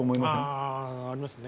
ああありますね。